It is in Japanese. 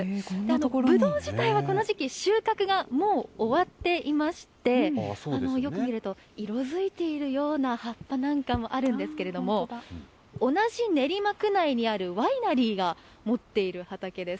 ぶどう自体はこの時期、収穫がもう終わっていまして、よく見ると、色づいているような葉っぱなんかもあるんですけれども、同じ練馬区内にあるワイナリーが持っている畑です。